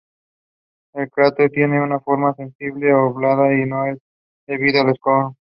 El cráter tiene una forma sensiblemente oblonga que no es debida al escorzo.